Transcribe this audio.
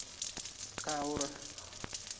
Kaawre.